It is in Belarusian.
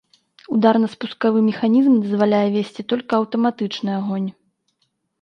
Ударна-спускавы механізм дазваляе весці толькі аўтаматычны агонь.